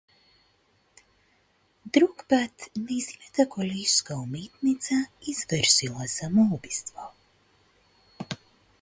Друг пат, нејзината колешка уметница извршила самоубиство.